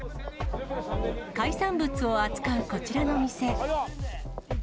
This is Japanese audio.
海産物を扱うこちらの店。